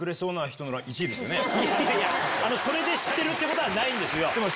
それで知ってるってことはないんですよ。